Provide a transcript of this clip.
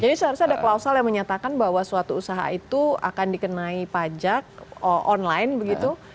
jadi seharusnya ada klausel yang menyatakan bahwa suatu usaha itu akan dikenai pajak online begitu